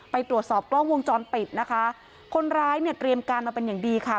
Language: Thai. ไปตรวจสอบกล้องวงจรปิดนะคะคนร้ายเนี่ยเตรียมการมาเป็นอย่างดีค่ะ